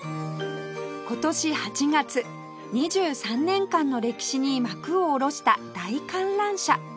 今年８月２３年間の歴史に幕を下ろした大観覧車